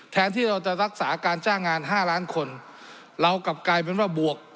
แทนที่เราจะรักษาการจ้างงานห้าล้านคนเรากลับกลายเป็นว่าบวก